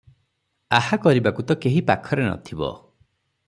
ଆହା କରିବାକୁ ତ କେହି ପାଖରେ ନଥିବ ।